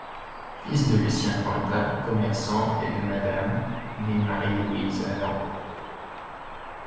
Fils de Lucien Cointat, commerçant, et de Mme, née Marie-Louise Adam.